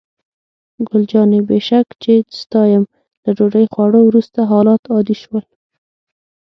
ګل جانې: بې شک چې ستا یم، له ډوډۍ خوړو وروسته حالات عادي شول.